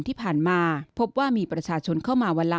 ที่ผ่านมาพบว่ามีประชาชนเข้ามาวันละ